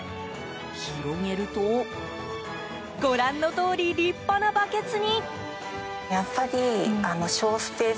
広げるとご覧のとおり、立派なバケツに。